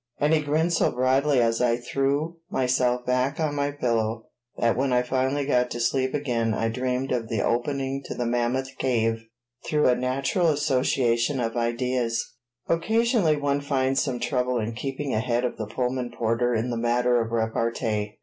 And he grinned so broadly as I threw myself back on my pillow that when I finally got to sleep again I dreamed of the opening to the Mammoth Cave, through a natural association of ideas. [Illustration: "I have been after 'em, suh; but it ain't no use."] Occasionally one finds some trouble in keeping ahead of the Pullman porter in the matter of repartee.